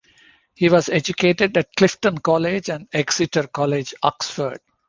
He was educated at Clifton College and Exeter College, Oxford.